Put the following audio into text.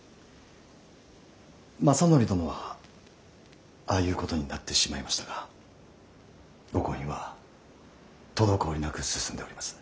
政範殿はああいうことになってしまいましたがご婚姻は滞りなく進んでおります。